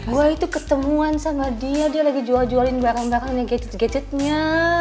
gue itu ketemuan sama dia dia lagi jual jualin barang barang yang gadget gadgetnya